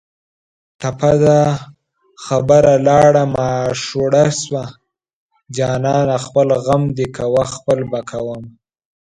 ټپه ده: خبره لاړه ماشوړه شوه جانانه خپل غم دې کوه خپل به کومه